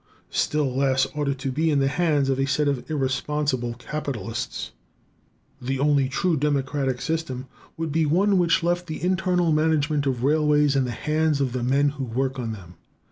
Still less ought it to be in the hands of a set of irresponsible capitalists. The only truly democratic system would be one which left the internal management of railways in the hands of the men who work on them.